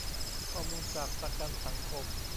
ข้อมูลจากประกันสังคม